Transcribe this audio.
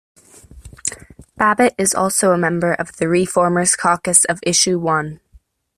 Babbitt is also a member of the ReFormers Caucus of Issue One.